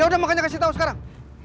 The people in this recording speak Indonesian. yaudah makanya kasih tahu sekarang